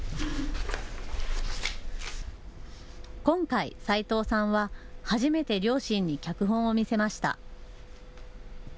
今回、齊藤さんは初めて両親に脚本を見せました。